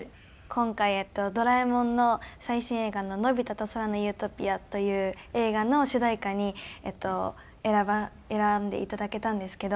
今回『ドラえもん』の最新映画の『のび太と空の理想郷』という映画の主題歌に選んでいただけたんですけど。